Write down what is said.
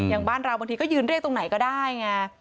บ้านเราบางทีก็ยืนเรียกตรงไหนก็ได้ไง